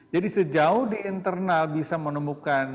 sejauh di internal bisa menemukan